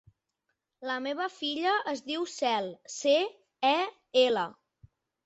La meva filla es diu Cel: ce, e, ela.